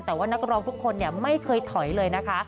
แต่ว่านักร้องทุกคนไม่เคยถอยเลยนะคะ